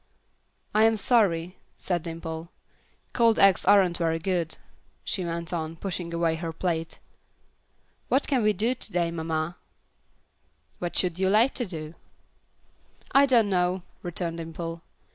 "I am sorry," said Dimple. "Cold eggs aren't very good," she went on, pushing away her plate. "What can we do to day, mamma?" "What should you like to do?" "I don't know," returned Dimple.